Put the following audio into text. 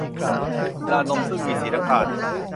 ลานนมซึ่งมีสีน้ำตาล